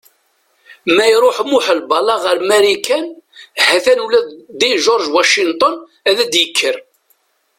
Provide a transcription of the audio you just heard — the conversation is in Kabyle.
Ma iṛuḥ Muḥ Lbala ɣer Marikan, hatan ula d George Washington ad d-yekker.